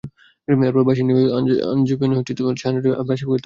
এরপর বাঁশি নিয়ে মঞ্চে আসবেন ছায়ানটের বাঁশি বিভাগের শিক্ষক মুরতাজা কবির।